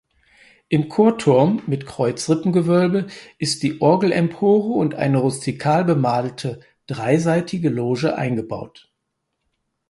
Im Chorturm mit Kreuzrippengewölbe ist die Orgelempore und eine rustikal bemalte dreiseitige Loge eingebaut.